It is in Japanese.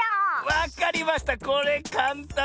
わかりました。